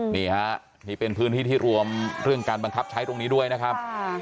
นี่ฮะนี่เป็นพื้นที่ที่รวมเรื่องการบังคับใช้ตรงนี้ด้วยนะครับ